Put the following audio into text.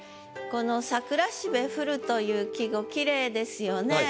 この「桜蘂降る」という季語キレイですよね。